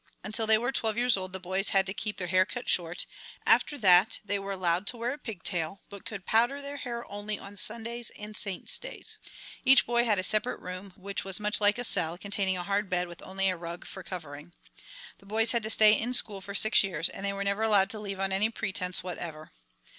Until they were twelve years old the boys had to keep their hair cut short, after that they were allowed to wear a pigtail, but could powder their hair only on Sundays and Saints' Days. Each boy had a separate room which was much like a cell, containing a hard bed with only a rug for covering. The boys had to stay in school for six years, and they were never allowed to leave on any pretense whatever.